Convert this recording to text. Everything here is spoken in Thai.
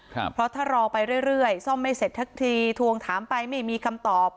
เพราะถ้ารอไปเรื่อยเรื่อยซ่อมไม่เสร็จสักทีทวงถามไปไม่มีคำตอบ